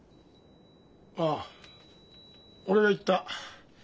ああ俺が言った。